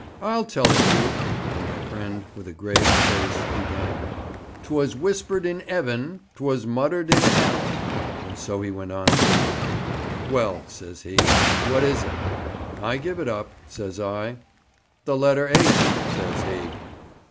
I'll tell it you," and my friend, with a grave face, began: '"'Twas whispered in 'eaven; 'twas muttered in 'ell'" and so he went on to the end. "Well," says he, "what is it?" "I give it up," says I. "The letter H," says he.'